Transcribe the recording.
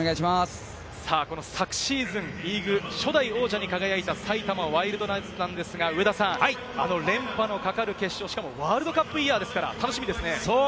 この昨シーズン、リーグ初代王者に輝いた埼玉ワイルドナイツなんですが、上田さん、連覇の懸かる決勝、しかもワールドカップイヤーですから、楽しみですね。